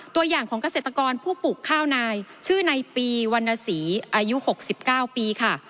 ตัวอย่างของเกษตรกรผู้ปลูกข้าวนายชื่อในปีวรรณศรีอายุ๖๙ปีค่ะ